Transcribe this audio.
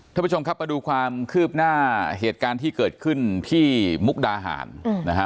ท่านผู้ชมครับมาดูความคืบหน้าเหตุการณ์ที่เกิดขึ้นที่มุกดาหารนะฮะ